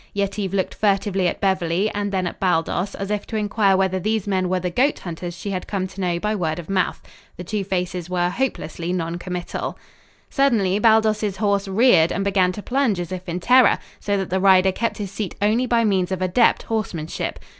Yetive looked furtively at Beverly and then at Baldos as if to enquire whether these men were the goat hunters she had come to know by word of mouth. The two faces were hopelessly non committal. Suddenly Baldos's horse reared and began to plunge as if in terror, so that the rider kept his seat only by means of adept horsemanship.